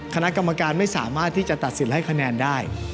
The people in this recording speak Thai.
คณะกรรมการไม่สามารถที่จะตัดสินให้คะแนนได้